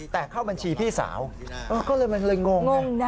แต่เข้าบัญชีพี่สาวก็เลยมันเลยงงไง